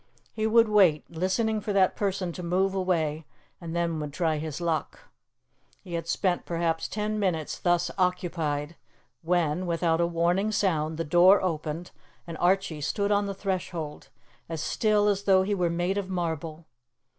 He would wait, listening for that person to move away, and then would try his luck. He had spent perhaps ten minutes thus occupied when, without a warning sound, the door opened and Archie stood on the threshold, as still as though he were made of marble.